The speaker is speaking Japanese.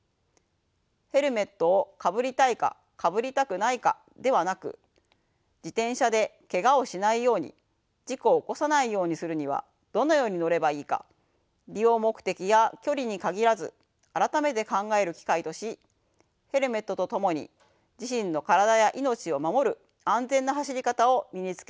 ヘルメットをかぶりたいかかぶりたくないかではなく自転車でけがをしないように事故を起こさないようにするにはどのように乗ればいいか利用目的や距離に限らず改めて考える機会としヘルメットと共に自身の体や命を守る安全な走り方を身につけることが重要です。